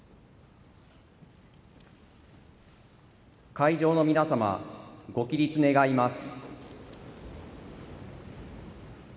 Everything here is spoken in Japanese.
会場の皆様、ご起立願います。